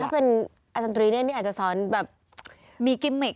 ถ้าเป็นอาจารย์ตรีเนี่ยนี่อาจจะสอนแบบมีกิมมิก